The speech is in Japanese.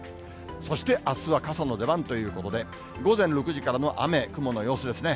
そしてあすは傘の出番ということで、午前６時からの雨、雲の様子ですね。